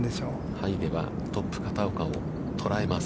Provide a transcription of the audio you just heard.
入れば、トップ片岡を捉えます。